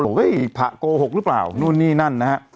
โหเฮ้ยอัภหะโกหกหรือเปล่านู่นนี่นั่นนะครับ